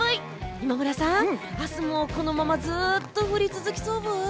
今村さん、明日もこのままずっと降り続きそうブイ？